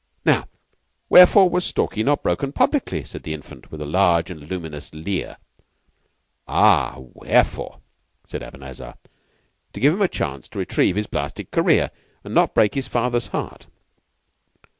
"Now, wherefore was Stalky not broken publicly?" said the Infant, with a large and luminous leer. "Ah, wherefore?" said Abanazar. "To give him a chance to retrieve his blasted career, and not to break his father's heart.